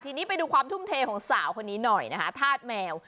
ทีนี้ไปดูความทุ่มเทของสาวคนนี้หน่อยนะคะธาตุแมว